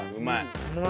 うまい。